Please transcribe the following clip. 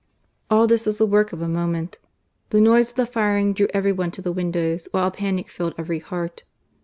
All this was the work of a moment. The noise of the firing drew every one to the windows, while a panic filled every heart.